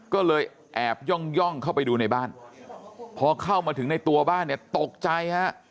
ก็เลยแอบย่องเข้าไปดูในบ้านพอเข้ามาถึงในตัวบ้านเนี่ยตกใจฮะ